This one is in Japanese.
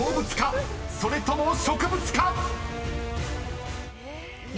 それとも植物か⁉］